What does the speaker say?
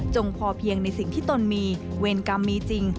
พอเพียงในสิ่งที่ตนมีเวรกรรมมีจริง